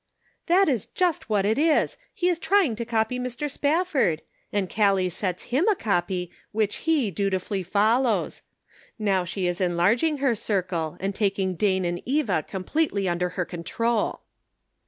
" That is just what it is ; he is trying to copy Mr. Spafford, and Gallic sets him a copy which he dutifully follows. Now she is enlarging her circle and taking Dane and Eva completely under her control."